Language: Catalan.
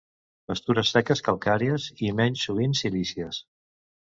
Pastures seques calcàries i menys sovint silícies.